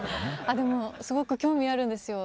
あっでもすごく興味あるんですよ。